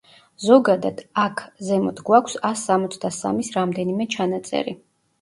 ზოგადად, აქ ზემოთ გვაქვს ას სამოცდასამის რამდენიმე ჩანაწერი.